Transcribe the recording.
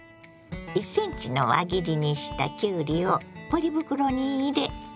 １ｃｍの輪切りにしたきゅうりをポリ袋に入れ